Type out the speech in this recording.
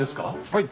はい。